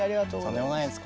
とんでもないです